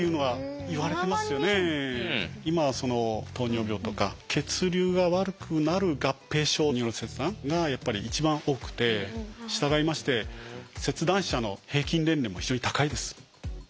今はその糖尿病とか血流が悪くなる合併症による切断が一番多くて従いまして切断者の平均年齢も非常に高いです。